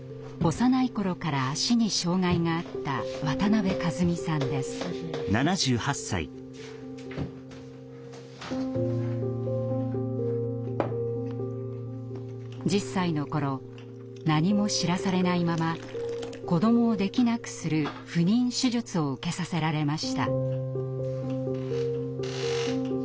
幼い頃から足に障害があった１０歳の頃何も知らされないまま子どもをできなくする不妊手術を受けさせられました。